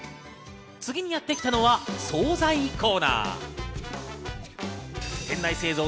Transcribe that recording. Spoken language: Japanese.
次にやってきたのは総菜コーナー。